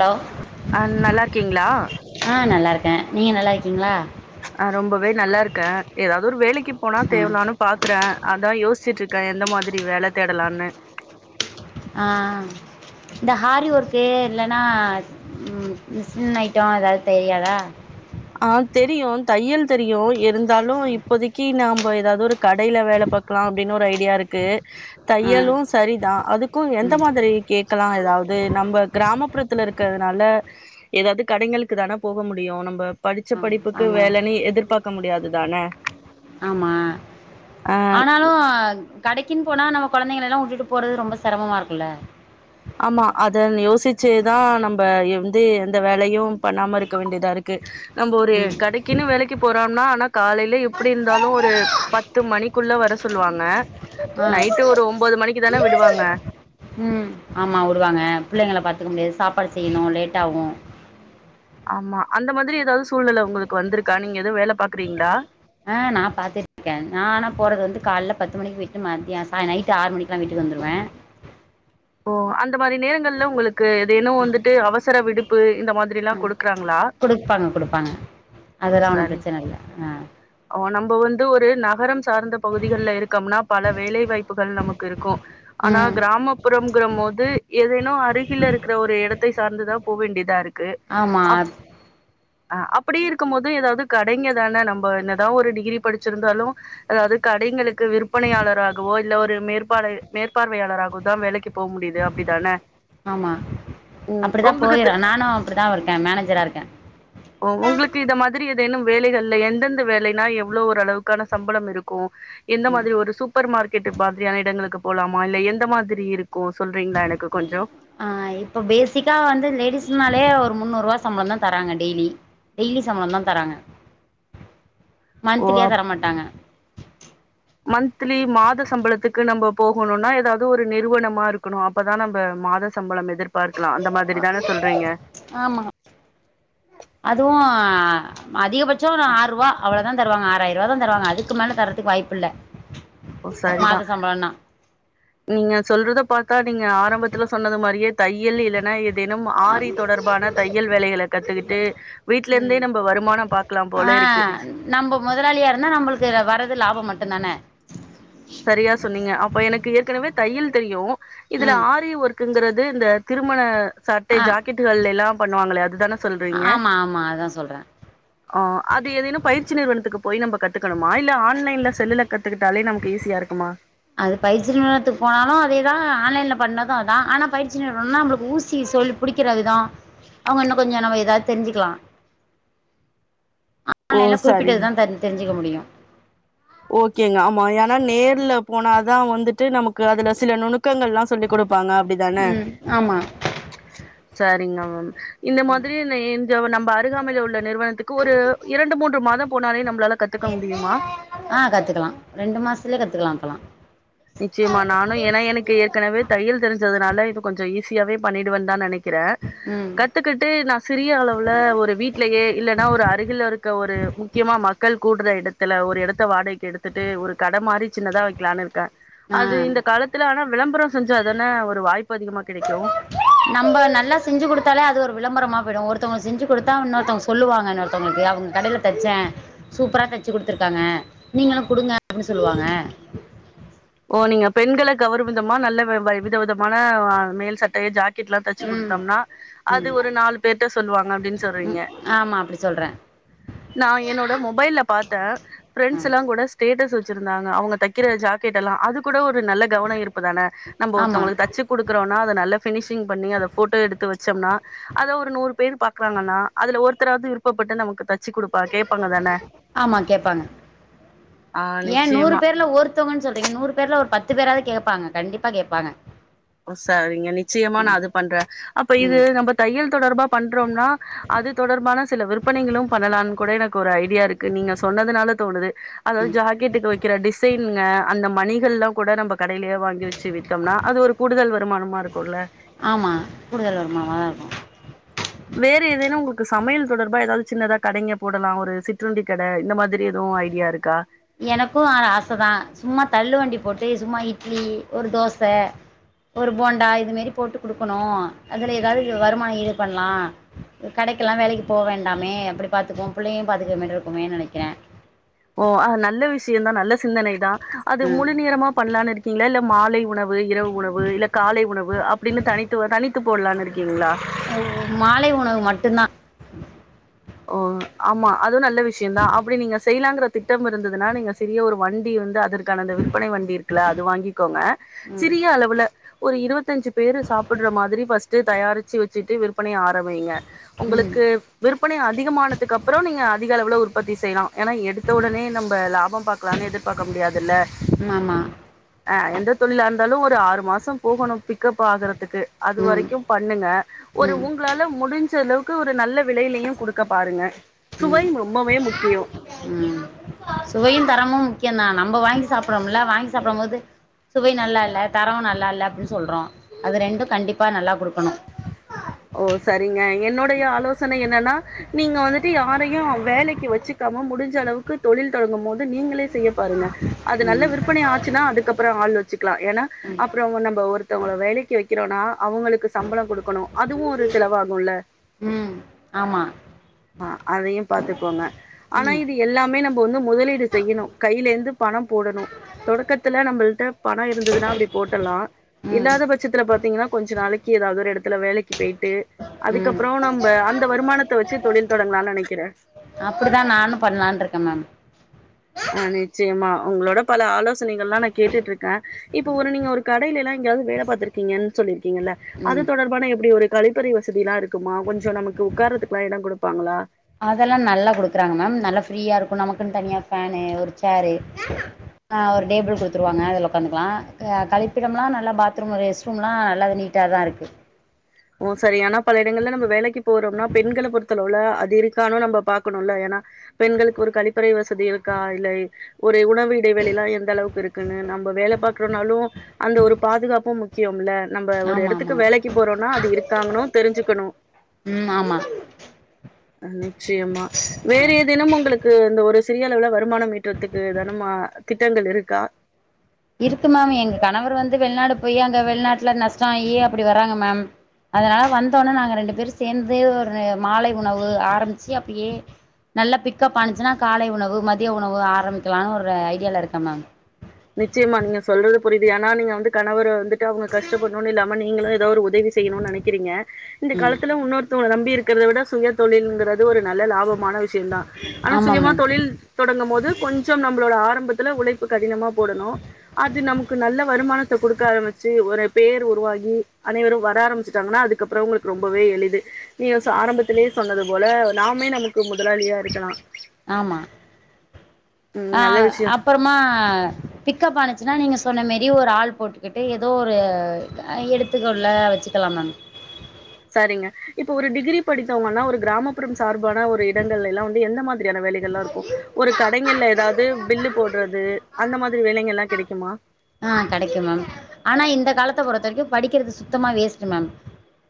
Hello அஹ் நல்லா இருக்கீங்களா இருக்க நீங்க நல்லா இருக்கீங்களா ஆஹ் ரொம்பவே நல்லா இருக்க ஏதாவது ஒரு வேலைக்கு போனா ஆ தேவலான்னு பாக்குற அதா யோசிச்சிட்டு இருக்க எந்த மாரி வேல தேடலானு ஆஹ் இந்த ஹாரி ஒர்க்கு இல்லைன்னா மிசின் ஐட்டம் ஏதாது தெரியாதா ஆஹ் தெரியு தையல் தெரியு இருந்து தலு இப்போதைக்கு நாம் இப்ப ஏதாவது ஒரு கடையில வேல பாக்கலா அப்படின்னு ஒரு ஐடியா இருக்கு ஆ தையலூ சரிதா அதுக்கூ எந்த ம் மாதிரி கேக்கலா ஏதாவ்து நம்ம கிராமப் ப்றத்துல இருக்கிறத்னால ஏதாவ்து கடைங்களுக்கு தான போக முடியூ நம்ப படிச்ச ஆ படிப்புக்கு ஆமாம் வேலைனு எதிர்பாக்க முடியாத் துதான ஆமா ஆனாலூ அ கடைக்கின் போனா நம்ம கொழந்தைங்களல்லா வுட்டுட்டு போறது ரொம்ப செரமமா இருக்கூல்ல ஆமா அத ன் யோசிச்சேதா நம்ப எந்து எந்த வேலையூ பண்ணாம இருக்க வேண்டியதாருக்கு நம்ம ஒரு ம் கடைக்கின்னு வேலைக்கு போறோனா ஆனா காலையில எப்டிருந்தாலூ ஒரு பத்து மணிக்குள்ள வர சொல்லுவாங்க ஆ நைட்டு ஒரு ஒம்போது மணிக்கு தான விடுவாங்க டுவாங்க பிள்ளைங்ள பாத்துக்க முடியாது சாப்பாடு செய்யணூ லேட்டாவூ ஆமா அந்த மாத்ரி ஏதாவ்து சூழ்நெல உங்களுக்கு வந்திருக்கா நீங்க ஏதோ வேல பாக்றீங்களா ஆ நா பாத்துட்ருக்கே நானா போறது வந்து கால்ல பத்து மணிக்கு விட்டு மத்ய சாய நைட்டு ஆறு மணிக்குலா வீட்டுக்கு வந்துருவே ஓ அந்த மாரி நேரங்கள்ல உங்களுக்கு எதேனோ வந்துட்டு அவசர விடுப் பு அ குடுப்பாங்க குடுப்பாங்க ஆ அதல்லா ஒண்ணூ ப்ரச்சன இல்ல ஆ போ வந்து ஒரு நகரம் சார்ந்த பகுதிகள்ல இருக்கம்னா பல வேலைவாய்ப் புகள் நமக்கிருக்கூ ஆனா ம் கிராமப் ருங்கிற மோத் து ஏதேனூ அருகில்ல இருக்கிற ஒரு எடத்தை சார்ந்துதா போ வேண்டியதாருக் ஆமா அத் அ அப்டிருக்கும் போது ஏதாவ்து கடைங்க தான நம்ப என்னதா ஒரு டிகிரி படிச்சிருந்தாலூ அது கடைங்களுக் கு விற்பனையாளராகவோ இல்ல ஒரு மேற்ப் பாழு மேற்பார்வையாளராகவுந்தா வேலைக் க்கு போ முடிது அப்டி தான ஆமா அப்டிதா போயிற நானூ அப்டிதாவுருக்கே மேனேஜரா இருக்கே ஓ உங்களுக்கித மாதிரி எத் தேனும் வேலைகள்ல எந்தெந்த வேலைனா எவ்ளவ் ஒரளவுக்கான சம்ப்ளம் இருக்கூ ஹ் எந்த மாதிரி ஒரு சூப்பர் மார்க்கெட் மாதிரியான இடங்க்ளுக்குப் போலாமா இல்ல எந்த மாதிரி இருக் ஆ இப்ப பேசிக்கா வந்து லேடிஸ்னாலே ஒ முன்னுரூவா சம்ப்ளந்தா தராங்க டெய்லி டெய்லி சம்ப்ளந்தா தராங்க ஓ மந்த்லியா அப் தரமாட்டாங்க மந்த்திலி மாதத் சம்ப்ளத்துக்கு நம்ம போகணூனா ஏதாவது ஒரு நிறுவனமா இருக்கணூ அப்பதா நம்ம மாத சம்பளம் எதிர்பார் அந்த மாதிரி தான சொல்றீங்க? அதுவும் ஆஆஹ் அதிகபட்சம் ஆறு ரூவா. அவ்ளவுதா தருவாங்க, ஆறாயிரம் ரூவா தா தருவாங்க. அதுக்கு மேல தர்றதக்கு வாய்ப்பு இல்ல. ஓ சரி தா. மாத சம்பளம்னா நீங்க சொல்றத பாத் தா நீங்க ஆரம்பத்தில சொன்னது மாரியே தையல் இல்லைன்னா, ஏதேனும் ஆரி தொடர்பான தையல் வேலைகள கத்துக்கிட்டு வீட்ல ம் இருந்தே நம்ம வருமானம் பாக்கலாம் போல ஆ இருக்கு. நம்ம முதலாளியா இருந்தா நம்மளுக்கு வரது லாபம் மட்டுந்தான சரியா சொன்னீங்க. அப்ப எனக்கு ஏற்கெனவே தையல் தெரியும். இதுல ம் ஆரி ஒர்க்கங்கிறது [unintelligible] இந்த திருமண சட்டை ஆ ஜாக்கெட்டுகள்ளெல்லா பண்ணுவாங்களே அதுதானே சொல்றீங்க ஆமா ஆமா அதா சொல்ற ஆ அது ஏதேனு பயிற்சி நிறுவனத்துக்கு போய் நம்ப கத்துக்கணுமா இல்ல ஆன்லைன்ல செல்லுல கத்துக்கிட்டாலே நமக்கு போ ஈசியா இருக்குமா அது பயிற்சி நிறுவனத்துக்கு போனாலு அதே தா ஆன்லைன்ல பண்ணது அதா ஆனா பயிற்சி நிறுவனம்னா நம்மளுக்கு ஊசி சொல்லி புடிக்கிற விதம் அவங்க இன்னு கொஞ்ச நம்ம ஏதாவது தெரிஞ்சிக்கலா ஓ! ஆன்லைன்ல குறிப்பிட்டது சரிங்க. தா தரி தெரிஞ்ச [unintelligible] முடியும் ஓகேங்க, ஆமா ஏன்னா நேர்ல போனா தா வந்திட்டு நமக்கு அதுல சில நுணுக்கங்கள்லா சொல்லிக் கொடுப் ப்பாங்க அப்டி தான ம் ஆமா சரிங்க [unintelligible] இந்த மாதிரி [unintelligible] [unintelligible] நம்ப அருகாமைல உள்ள நிறுவனத்துக்கு ஒரு இரண்டு மூன்று மாதம் போனாலே நம் ளால கத்துக்க முடியுமா? ஆ கத்துக்கலா ரெண்டு மாசத்துலயே கத்துக்கலா இப்பலாம் நிச்சயமா, நானு ஏன்னா எனக்கு ஏற்கெனவே தையல் தெரிஞ்சதுனால இது கொஞ்ச ஈசி ஈசியாவே பண்ணிடுவேன்னு தா நெனைக்கி க்கிறேன் ம் கத்துக்கிட்டு நா சிறிய அளவுல ஒரு வீட்லயே இல்லன்னா ஒரு அருகில் இருக்க ஒரு முக்யமா மக் மக்கள் கூடுற எடத்துல ஒரு எடத்த வாடகைக்கு எடுத்துட்டு ஒரு கடை மாரி சின்னதா வக்கலான்னு இரு ஆ அது இந்த காலத்துல, ஆனா விளம்பரம் செஞ்சா தான ஒரு வாய்ப்பு அதிகமா கிடைக்கு நம்ப நல்லா செஞ்சு குடுத்தாலே அது ஒரு வி விளம்பரமா போய்டு ஒருத்தவங்களுக்கு செஞ்சு குடுத்தா இன்னொருத்தவங்க சொல்லுவாங்க இன்னொருத்தவங்களுக்கு அவங்க கடையில தச்சே சூப்பரா தச்சு குடுத்துருக்காங்க நீங்களும் குடுங்க அப்டின்னு சொல்லுவாங்க ஓ நீங்க பெண்களை கவரும் விதமா நல்ல வெ வ வித விதமான மேல் சட்டை ஜாக் கெட்ல தச்சு ம் குடுத்தோம்னா, அது ம் ஒரு நாலு பேர்ட்ட சொல்லுவாங்க அப்டின்னு ம் சொல்றீங்க. ஆமா அப்டி சொல்றே நா என்னோட மொபைல்ல பாத்தே ஆ ப்ரண்ட்ஸ் எல்லா கூட ஸ்டேட்டஸ் வச் இருந்தாங்க அவங்க தைக்கிற ஜா கேட்டலா அது கூட ஒரு நல்ல கவன இருப்பு தான நம்ம ஆமா ஒருத்தவங்களுக்கு தச்சு கொடுக்கறோனா அத நல்ல ஃபினிஷிங் பண்ணி அத ஃபோட்டோ எடுத்து வச்சு ச்சோம்னா அத ஒரு நூறு பேர் பாக்கறாங்கன்னா அதுல ஒருத்தராது விருப்பப்பட்டு நமக்கு தச் ஆமா கேட்பாங்க ஆ ஏன் நூறு நிச்சயமா பேர்ல ஒருத்தவங்கன்னு சொல் றேங்க நூறு பேர்ல ஒரு பத்து பேராது கேட்பாங்க கண்டிப்பா கேட்பாங்க சரிங்க நிச்சயமா நா அது பண்ற அப்ப இது ம் நம்ம தையல் தொடர்பா பண்றோம்னா அது தொடர்பான சில விற்பனைகளு பண்ணலா கூட எனக்கு ஒரு ஐடியா இருக்கு நீங்க சொன்னதுனால தோணுது அதாது ம் ஜாக்கெட்டுக்கு வைக்கிற டிசைன்ங்க அந்த மணிகள்லா கூட நம்ம கடையிலயே வாங்கி வெச்சு வித்தோம்னா அது ஒரு கூடுதல் வருமானமா இருக்கோல ஆமா கூடுதல் வருமானமா இருக்கோ வேற ஏதேனு உங்களுக்கு சமையல் தொடர்பா ஏதாது சின்னதா கடைங்க போடலா ஒரு சிற்றுண்டி கட இந்த மாதிரி எது ஐடியா இருக்கா எனக்கோ ஆச தா சும்மா தள்ளு வண்டி போட்டு சும்மா இட்லி ஒரு தோச ஒரு போண்டா இது மேரி போட்டு குடுக்கணோ அதுல ஏதாது வருமான இது பண்ணலா கடைக்கெல்லா வேலைக்கு போ வேண்டாமே அப்படி பாத்துக்குவோ பிள்ளையு பாத்துக்க மாரி இருக்குமே அப்படி நினைகிற ஓ அ நல்ல விஷய தா நல்ல சிந்தனைதா அது ம் முழு நேரமா பண்ணலான்னு இருக்கீங்களா இல்ல மாலை உணவு இரவு உணவு இல்ல காலை உணவு அப்டீனு தனித்து தனித்து போடலானு இருக்கீங்களா மாலை உணவு மட்டுந் தா ஓ ஆமா அது நல்ல விஷய தா அப்படி நீங்க செய்யலாங்கற திட்டம் இருந்ததுனா நீங்க சிறிய ஒரு வண்டி வந்து அதற்கான அந்த விற்பனை வண்டி இருக்குல அது வாங்கி கோங்க ம் சிறிய அளவுல ஒரு இருபத்தஞ்சு பேர் சாப்பிட்ற மாதிரி ஃபர்ஸ்ட்டு தயாரிச்சு வெச்சுட்டு விற்பனை ஆரம்பிங்க ம் உங்களுக்கு விருப் விற்பனை அதிகமானத்துக்கப்பறோ நீங்க அதிக அளவுல உற்பத்தி செய்யலா ஏன்னா எடுத்த ஒடனே நம்ப லாப பாக்கலான்னு எதிர்பார்க்க முடியாதுல்ல ஆமா அ எந்த தொழிலா இருந்தாலு ஒரு ஆறு மாசோ போகணோ பிக் அப் ஆகற துக்கு அது ம் வரைக்கும் பண்ணுங்க ஒரு ம் உங்களால முடிஞ்ச அளவுக் கு ஒரு நல்ல விலைலயு குடுக்க பாருங்க ம் முக்கியோ ம் சுவையும் தரமும் நா நம்ம வாங்கி சாப்பிரோம்ல வாங்கி சாப்பிடும் போது சுவை நல்லா இல்ல தர நல்லா இல்ல அப்படின்னு சொல்றோ அது ரெண்டு கண்டிப்பா நல்லா கொடுக் ஓ சரிங்க என்னுடைய ஆலோசனை என்னன்னா நீங்க வந்துட்டு யாரையு வேலைக்கு வெச்சுக்காம முடிஞ்சளவுக்கு தொழில் தொடங்கு போது நீங்களே செய்யப் பாருங்க அது நல்ல ம் விற்பனை ஆச்சுன்னா அதுக்கப்புறோ ஆள் வெச்சுக்கலா என்ன ம் அப்புறோ நம்ம ஒருத்தவங்கள வேலைக்கு வெக் கிறோனா அவுங்க சம்பள கொடுக்கணோ அதுவு ஒரு செலவாகுல ம் ஆமா அ அதயு பாத்துக்கோங்க ஆனா ம் இது எல்லாமே நம்போ வந்து முதலீடு செய்யணோ கையில இருந்து இந்து பணோ போடணோ தொடக்கத்துல நம்மள்ட பணோ இருந்ததுன்னா அப்டி போட்டுலா ம் இல்லாத பட்சத்துல பார்த்தீங்கங்கன்னா கொஞ்சோ நாளைக்கு ஏதாவது ஒரு எடத்துல வேலைக்கு போய்ட்டு அதுக்கப்புறோ நம்ப அந்த வருமானத்த வெச்சு அப்படிதான் நானும் பண்ணலானு இருக்கேன் மேம் ஆஹ் நிச்சயம் மா உங்ளோட பல ஆலோசனைகள்லாம் நான் கேட்டுட்டு இரு கா இப்ப ஒரு நீங்க ஒரு கடைலாளம் எங்கயாவது வேலை பார்த்தருக்கீங்கன் சொல்லிரு இங்கல ம் அது தொடர்பான எப்படி ஒரு கழிப்பறி வசதிலா இருக்குமா கொஞ்சம் நமக்கு உக்காரத்குலாம் இடம் கொடுப்பாங்களா அதெல்லாம் நல்லா குடுக்குறாங்க மேம் நல்லா ஃப்ரீயா இருக்கும் நமக்குன்னு தனியா ஃபேனு ஒரு சேரு ஆஹ் ஒரு டேபிள் குடுத்துருவாங்க அதுல அத்தலம் அதலாம் நல்ல குடுக்குறாங்க மேம் [unintelligible] உட்காந்துக்கலாம் கிப்பிடம் எல்லாம் நல்லா பாத்ரூம் ரெஸ்ட் ரூம் எல்லாம் நல்லது நீட்டா தான் இருக்கு ஓ சரி ஆனா பல இடங்கள்ல நம்ம வேலைக்கு போறோம்னா பெண்களை பொருத்தலுவுல அது இருக்கானு நம்ம பாக்கணும்ல ஏன்னா பெண்களுக்கு ஒரு கழிப்பறை வசதி இருக்கா இல்லை ஒரு உணவு இடைவெளிலா இடைவெல்லம் எந்த அளவுக்கு இருக்குன்னு நம்ம வேலை பாாரக்குறோனாலும் அந்த ஒரு பாதுகாப்பும் முக்கியம்லன் நம்ப ஒரு ஆமாம் இடத்துக்கு ஆமாம் வேலைக்கு போறோ ஆஹா அது இருக்கானானும் தெரிஞ்சுக்கணு ம் ஆமாம் நிச்சயமா வேறுஇதேனும் உங்களுக்கு இந்த ஒரு சிறிய அளவுல வருமானம் ஈட்டுறதுக்கு இதேனும் திட்டங்கள் இருக்கா இருக்கு மேம் எங் கணவர் வந்து வெளிநாடு போய் அங்க வெளிநாட்டுல நஷ்டம் ஏ அப்படி வறாங்க மேம் அதனால வந்தோனே நாங்க ரெண்டு பேரு சேர்ந்து ஒரு மாலை உணவு ஆரம்பிச்சு அப்பே நல்லா பிக்கப் அனுிச்சுன்னா காலை உணவு மதியம் உணவு ஆரம்பிகலாம்னு ஒரு ஐடியால இருக்கேன் மேம் நிச்சயமா நீங்க சொல்றது புரியுது ஏன்னா நீங்க வந்து கணவரை வந்துட்டு அவங்க கஷ்டப்படணும்னு இல்லாம நீங்களும் ஏதாவ ஒரு உதவி செய்யணு நினைக்கிறீங்க இந்த ம் காலத்தில உன்னோருத்தவ நம் பி இருக்கிறத விட சுய தொழிலிங்கிறது ஒரு நல்ல லாபம் ம்மானா விஷயம் தான் ஆனா ஆமாம் சுயமா மேம் தொழில் தொடங்கும் போது கொஞ்சம் நம்மளோட ஆரம் பத்துல உழைப்பு கடினம் போடணு அது நமக்கு நல்ல வருமானத்த கொடுக்க ஆரம்பிச்சு ஒரு பேர் உருவாகி அனைவரும் வர ஆரம்பிச்சிட்டாங்கன்னா அதுக்குப்பறம் உங்களுக்கு ரொம்பவே எளிது நீ ஆரம்பத்திலே சொன்னது போல நாமே நமக் ஆமா ம் நல்ல அஹ விஷயோ அப்பறமா பிக்கப் ஆனுச்சுன்னா நீங்க சொன்ன மாரி ஒரு ஆள் போட்டுக்கிட்டு ஏதோ ஒரு எடுத்துக்க உள்ள வச்சுக்கலாம் மேம் சரிங்க இப்ப ஒரு டிகிரி படித்தவங்கன்னா ஒரு கிராமப்புறம் சார்பான ஒரு இடங்கள் எல்லாம் வந்து எந்த மாரி வேலைகள்ல்லாம் இருக்கும் ஒரு கடைகள்ல ஏதாவது பில்லு போட்றது அந்த மாதிரி வேலைங்ள்ல்லாம் கிடைக்குமா ஆ கெடைக்கும் மேம் ஆனா [unintelligible] பொறுத்த வரைக்கும் படிக்கிறது சுத்தமா வேஸ்ட் மேம்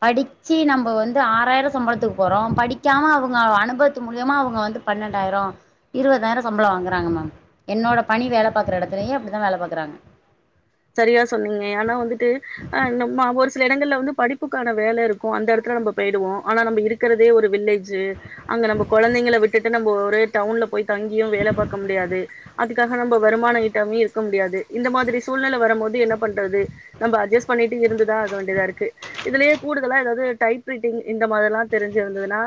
படிச்சி நம்ம வந்து ஆறாயிரம் சம்பளத்துக்கு போறோம் படிக்காம அவங்க அனுபவத்து மூலியமா அவங்க வந்து பண்ண பத்தாயிர இருவதாயிர சம்பள வாங்குறாங்க மேம் என்னோட பணி வேல பாக்கற எடத்துலயு அப்டித்தா வேல பாக்கறாங்க சரியா சொன்னிங்க ஆனா வந்துட்டு ஆ நம்ம ஒரு சில இடங்கள்ல வந்து படிப்புக்கான வேல இருக்கு அந்த எடத்துல நம்ம போயிடுவோ ஆனா நம்ப இருக்கறதே ஒரு வில்லேஜு அங்க நம்ப கொழந்தைங்கள விட்டுட்டு நம்ம ஒரு டவுன்ல போய் தங்கியு வேல பாக்க முடியாது அதுக் காக நம்ம வருமான ஈட்டாமையு இருக்க முடியாது இந்த மாதிரி சூழ்நிலை வரும் போது என்ன பண்றது நம்ம அட்ஜஸ்ட் பண்ணிட்டு இருந்துதா ஆக வேண்டியதா இருக்கு இதுலயே கூடுதலா ஏதாவது டைப் ரைட்டிங் இந்த மாதிரி எல்லாம் தெரிஞ்சிருந்ததுன்னா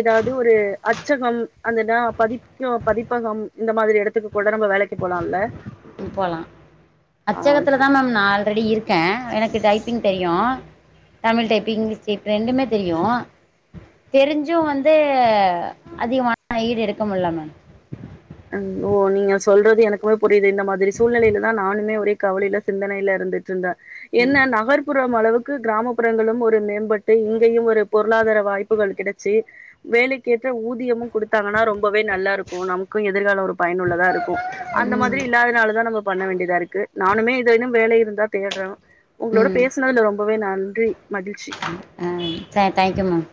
ஏதாவது ஒரு அச்சகம் அந்தன்னா பதி பதிப்பகம் இந்த மாரி இடத்துக்கு கூட நம்ம வேலைக்கு போலாம்ல ம் போலா அச்சகத்துல சரி தான் மேம் நான் ஆல்ரெடி இருக் க்கே எனக்கு டைப்பிங் தெரியு தமிழ் டைப்பிங் இங்லிஷ் டைப் ரெண்டுமே தெரியு தெரிஞ்சு வந்து அதிகமான ஈடு எடுக்க முல்ல மேம் ம் ஓ நீங்க சொல்றது எனக்குமே புரியுது இந்த மாதிரி சூழ்நிலைலதா நானுமே ஒரே கவலைல சிந்தனைல இருந்துட்ருந்த என்ன நகர்ப்புறம் அளவுக் க்கு கிராமப்புறங்களு ஒரு மேம்பட்டு இங்கேயு ஒரு பொருளாதார வாய்ப்புகள் கிடைச்சி வேலைக்கேற்ற ஊதியமு குடுத்தாங்னா ரொம் பவே நல்லாருக்கு நம் எதிர்கால ஒரு பயனுள்ளதா இருக்கும் அந்த ம் மாதிரி இல்லாதனால தான் நம்ம பண்ண வேண்டியதா இருக்கு நானுமே இது இந் வேல இருந்தா தேடறோ உங்களோட பேசுனதுல ரொம் பவே நன்றி மகிழ்ச்சி ம் ஹ தேங்க்யூ மேம்